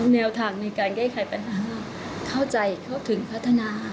แนวทางในการแก้ไขปัญหาเข้าใจเข้าถึงพัฒนา